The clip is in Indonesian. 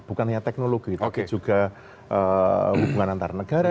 bukan hanya teknologi tapi juga hubungan antarnegara